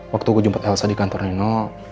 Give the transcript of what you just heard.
saat saya bertemu elsa di kantor nino